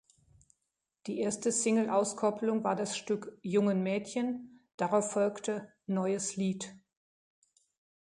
Die erste Single-Auskopplung war das Stück "Jungen Mädchen", darauf folgte "Neues Lied".